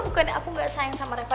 bukan aku gak sayang sama reva